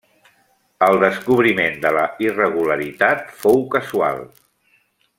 El descobriment de la irregularitat fou casual.